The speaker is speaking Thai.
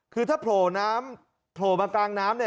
คือถ้าโผล่น้ำโผล่มากลางน้ำเนี่ย